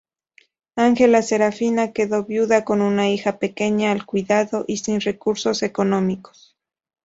Ángela Serafina quedó viuda, con una hija pequeña al cuidado y sin recursos económicos.